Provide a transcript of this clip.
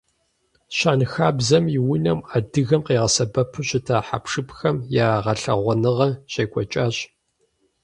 Щэнхабзэм и унэм адыгэм къигъэсэбэпу щыта хьэпшыпхэм я гъэлъэгъуэныгъэ щекӏуэкӏащ.